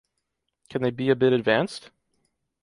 Can they be a bit advanced?